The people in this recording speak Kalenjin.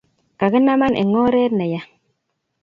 kakinaman eng oree ne ya